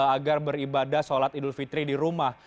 agar beribadah sholat idul fitri di rumah